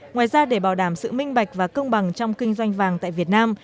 ngoài ra để bảo đảm sự minh bạch và công bằng trong kinh doanh vàng tại việt nam